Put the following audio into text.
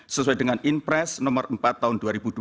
sesuai dengan inpres no empat tahun dua ribu dua puluh dua